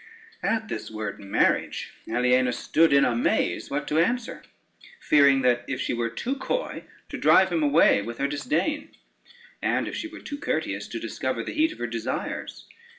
At the word marriage Aliena stood in a maze what to answer, fearing that if she were too coy, to drive him away with her disdain, and if she were too courteous, to discover the heat of her desires.